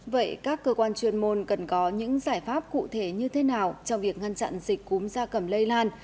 vậy các cơ quan chuyên môn cần có những giải pháp cụ thể như thế nào trong việc ngăn chặn dịch cúm gia cầm lây lan